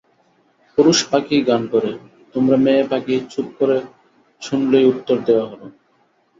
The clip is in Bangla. পুরুষ পাখিই গান করে, তোমরা মেয়ে পাখি চুপ করে শুনলেই উত্তর দেওয়া হল।